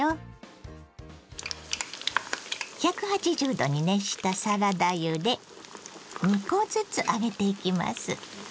℃に熱したサラダ油で２コずつ揚げていきます。